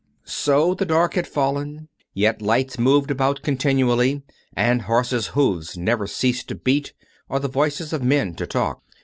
So the dark had fallen, yet lights moved about continually, and horses' hoofs never ceased to beat or the voices of men to talk.